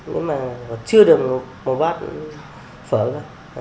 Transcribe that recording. nếu mà chưa được một bát phở ra